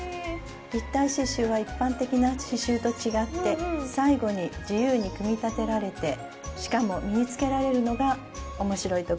立体刺しゅうは一般的な刺しゅうと違って最後に自由に組み立てられてしかも身につけられるのがおもしろいところです。